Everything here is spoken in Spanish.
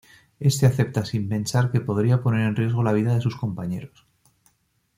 Este acepta sin pensar que podría poner en riesgo la vida de sus compañeros.